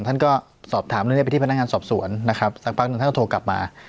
ท่านก็สอบถามเรื่องนี้ไปที่พนักงานสอบสวนนะครับสักพักหนึ่งท่านก็โทรกลับมา